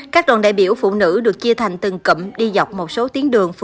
các đoàn đại biểu phụ nữ được chia thành từng cụm đi dọc một số tiến đường